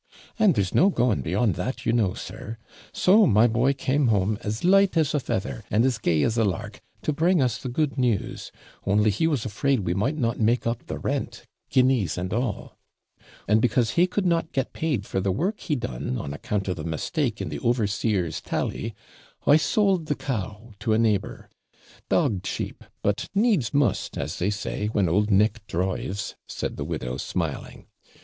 And there's no going beyond that, you know, sir. So my boy came home as light as a feather, and as gay as a lark, to bring us the good news; only he was afraid we might not make up the rent, guineas and all; and because he could not get paid for the work he done, on account of the mistake in the overseer's tally, I sold the cow to a neighbour dog cheap; but needs must, as they say, when old Nick DRIVES,' said the widow, smiling.